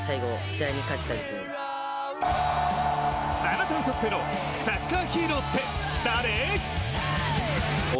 あなたにとってのサッカーヒーローって誰？